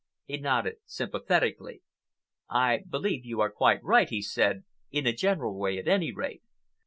He nodded sympathetically. "I believe you are quite right," he said; "in a general way, at any rate.